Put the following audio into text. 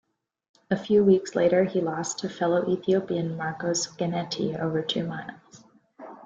A few weeks later he lost to fellow Ethiopian Markos Geneti over two miles.